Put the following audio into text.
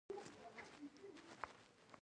دوی ويل چې د هغه ژوندي پاتې کېدل ستونزمن دي.